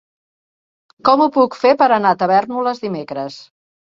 Com ho puc fer per anar a Tavèrnoles dimecres?